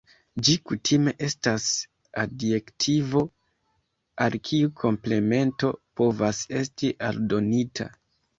Ĝi kutime estas adjektivo al kiu komplemento povas esti aldonita.